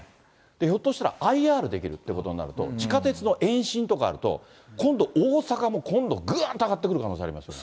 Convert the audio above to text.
ひょっとしたら、ＩＲ出来るということになると、地下鉄の延伸とかあると、今度、大阪も今度、ぐーんと上がってくる可能性がありますね。